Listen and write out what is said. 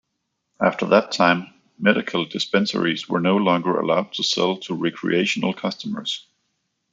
After that time, medical dispensaries were no longer allowed to sell to recreational customers.